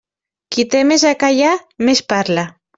Qui té més a callar més parla.